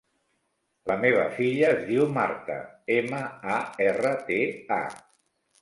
La meva filla es diu Marta: ema, a, erra, te, a.